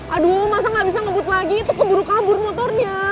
aduh masa gak bisa ngebut lagi itu keburu kabur motornya